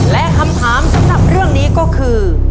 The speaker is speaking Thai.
และคำถามสำหรับเรื่องนี้ก็คือ